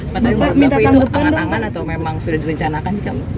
padahal mieku itu angan angan atau memang sudah direncanakan sih kamu